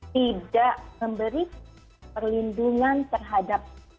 tidak memberi perlindungan terhadap